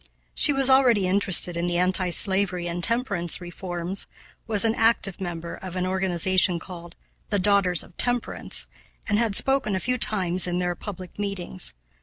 She was already interested in the anti slavery and temperance reforms, was an active member of an organization called "The Daughters of Temperance," and had spoken a few times in their public meetings.